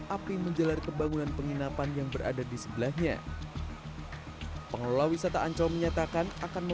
api menjelar ke bangunan penginapan yang berada di sebelahnya pengelola wisata ancol menyatakan akan